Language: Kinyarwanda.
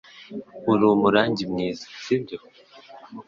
Uri umurangi mwiza, sibyo?